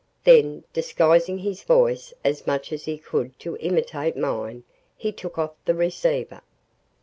Then, disguising his voice as much as he could to imitate mine, he took off the receiver.